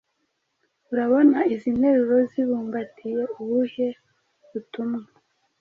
Urabona izi nteruro zibumbatiye ubuhe butumwa?